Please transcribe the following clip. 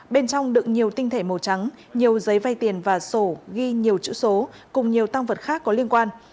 bên trong đựng nhiều tinh thể màu trắng nhiều giấy vay tiền và sổ ghi nhiều chữ số cùng nhiều tăng vật khác có liên quan